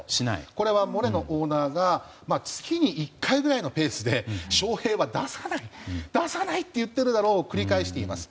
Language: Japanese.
これはモレノオーナーが月に１回ぐらいのペースで翔平は出さないと言っているだろうと繰り返しています。